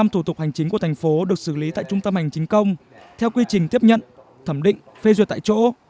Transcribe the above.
một trăm linh thủ tục hành chính của thành phố được xử lý tại trung tâm hành chính công theo quy trình tiếp nhận thẩm định phê duyệt tại chỗ